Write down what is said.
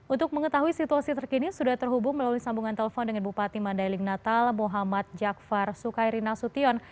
untuk mengetahui situasi terkini sudah terhubung melalui sambungan telepon dengan bupati mandailing natal muhammad jakfar sukairina sution